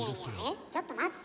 ちょっと待って。